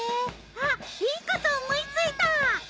あっいいこと思いついた！